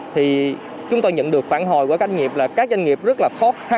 thì chúng tôi nhận được phản hồi của doanh nghiệp là các doanh nghiệp rất là khó khăn